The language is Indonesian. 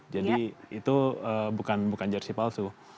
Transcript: jadi itu bukan jersi palsu